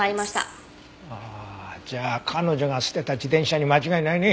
ああじゃあ彼女が捨てた自転車に間違いないね。